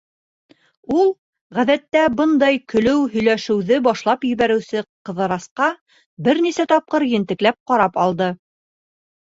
Ул, ғәҙәттә, бындай көлөү, һөйләшеүҙе башлап ебәреүсе Ҡыҙырасҡа бер нисә тапҡыр ентекләп ҡарап алды.